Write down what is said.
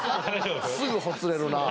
すぐほつれるなあ。